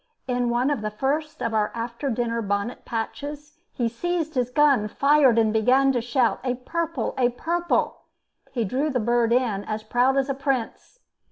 In one of the first of our after dinner bonnet patches, he seized his gun, fired, and began to shout, "A purple! a purple!" He drew the bird in, as proud as a prince.